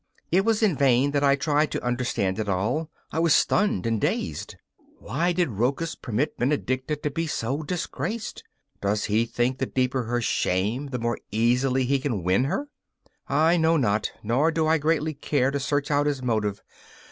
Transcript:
It was in vain that I tried to understand it all; I was stunned and dazed. Why did Rochus permit Benedicta to be so disgraced? Does he think the deeper her shame the more easily he can win her? I know not, nor do I greatly care to search out his motive.